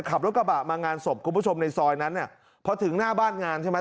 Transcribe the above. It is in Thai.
ขับรถกระบะมางานศพคุณผู้ชมในซอยนั้นเนี่ยพอถึงหน้าบ้านงานใช่ไหม